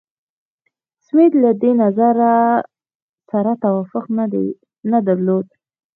سمیت له دې نظر سره توافق نه درلود.